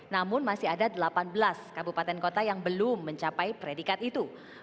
namun masih ada delapan belas kabupaten kota yang belum mencapai predikat itu